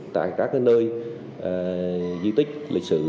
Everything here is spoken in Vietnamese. tại các nơi dư tích lịch sử